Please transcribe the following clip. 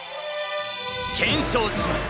検証します。